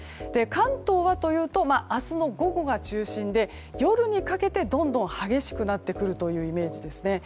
関東はというと明日の午後が中心で夜にかけてどんどん激しくなってくるというイメージですね。